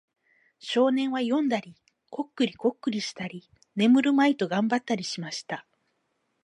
少年は読んだり、コックリコックリしたり、眠るまいと頑張ったりしました。